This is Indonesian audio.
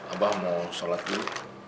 abah mau sholat dulu